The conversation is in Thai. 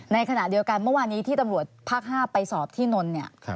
ในขณะเดียวกันเมื่อวานนี้ที่ตำรวจภาค๕ไปสอบที่นนท์เนี่ย